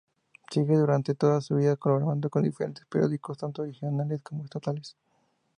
Sigue durante toda su vida colaborando con diferentes periódicos tanto regionales como estatales.